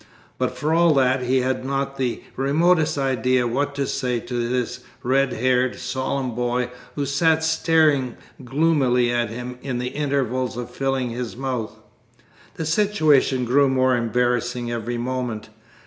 But, for all that, he had not the remotest idea what to say to this red haired, solemn boy, who sat staring gloomily at him in the intervals of filling his mouth. The situation grew more embarrassing every moment.